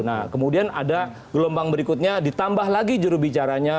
nah kemudian ada gelombang berikutnya ditambah lagi jurubicaranya